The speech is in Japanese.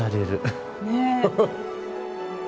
ねえ。